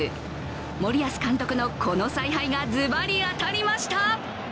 森保監督のこの采配がズバリ当たりました。